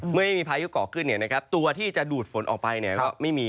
เมื่อไม่มีพายุเกาะขึ้นเนี่ยนะครับตัวที่จะดูดฝนออกไปเนี่ยก็ไม่มี